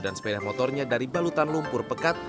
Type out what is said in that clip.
dan sepeda motornya dari balutan lumpur pekat